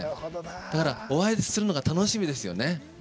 だから、お会いするのが楽しみですよね。